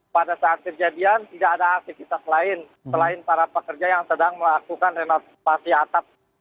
pada saat kejadian tidak ada aktivitas lain selain para pekerja yang sedang melakukan renovasi atap